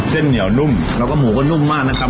เส้นเหนียวนุ่มแล้วก็หมูก็นุ่มมากนะครับ